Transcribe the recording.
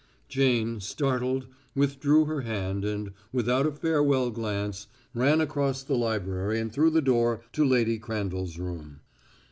Jane, startled, withdrew her hand, and without a farewell glance, ran across the library and through the door to Lady Crandall's room.